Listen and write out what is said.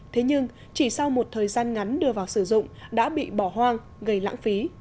thế nhưng chỉ sau một thời gian ngắn đưa vào sử dụng đã bị bỏ hoang gây lãng phí